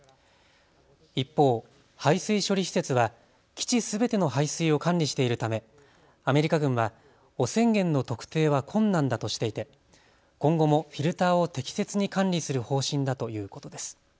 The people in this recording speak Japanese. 一方、排水処理施設は基地すべての排水を管理しているためアメリカ軍は汚染源の特定は困難だとしていて今後もフィルターを適切に管理する方針だということです。